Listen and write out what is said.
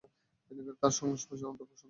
তাঁর সংস্পর্শে অন্তর প্রশান্ত হত।